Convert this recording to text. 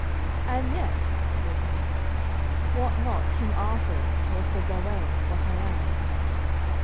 "And yet," said he, "wot not King Arthur nor Sir Gawaine what I am."